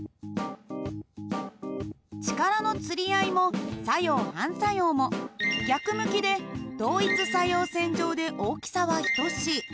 力のつり合いも作用・反作用も逆向きで同一作用線上で大きさは等しい。